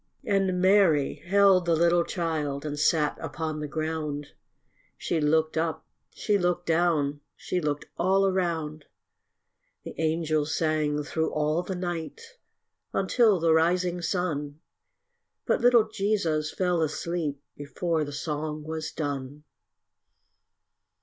And Mary held the little child And sat upon the ground; She looked up, she looked down, She looked all around. The angels sang thro' all the night Until the rising sun, But little Jesus fell asleep Before the song was done.